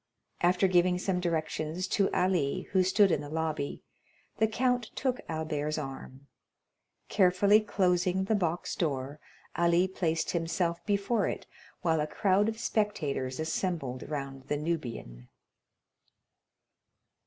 After giving some directions to Ali, who stood in the lobby, the count took Albert's arm. Carefully closing the box door, Ali placed himself before it, while a crowd of spectators assembled round the Nubian.